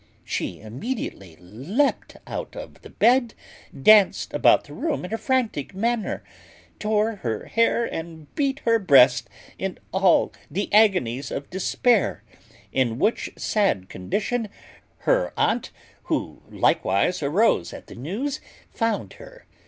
She immediately leaped out of the bed, danced about the room in a frantic manner, tore her hair and beat her breast in all the agonies of despair; in which sad condition her aunt, who likewise arose at the news, found her.